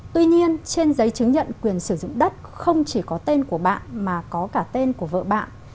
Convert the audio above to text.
tuy nhiên trên giấy chứng nhận quyền sử dụng đất không chỉ có tên của bạn mà có cả tên của vợ bạn